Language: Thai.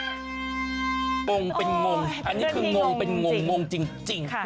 งงเป็นงงอันนี้คืองงเป็นงงจริง